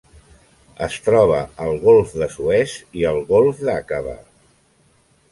Es troba al Golf de Suez i el Golf d'Aqaba.